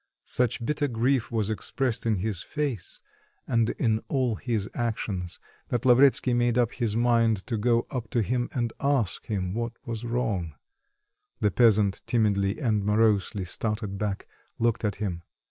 Such bitter grief was expressed in his face, and in all his actions, that Lavretsky made up his mind to go up to him and ask him what was wrong. The peasant timidly and morosely started back, looked at him....